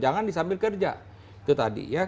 jangan disambil kerja itu tadi ya